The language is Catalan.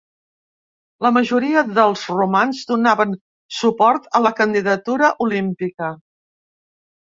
La majoria dels romans donaven suport a la candidatura olímpica.